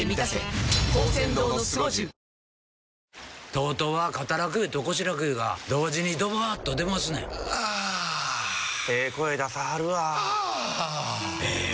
ＴＯＴＯは肩楽湯と腰楽湯が同時にドバーッと出ますねんあええ声出さはるわあええ